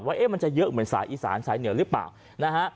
ว่ามันจะเยอะเหมือนสายอีสานสายเหนือหรือเปล่านะฮะ